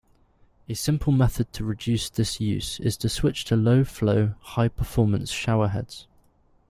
A simple method to reduce this use is to switch to low-flow, high-performance showerheads.